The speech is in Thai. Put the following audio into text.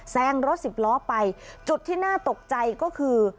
แซงรถสิบล้อไปจุดที่น่าตกใจก็คือ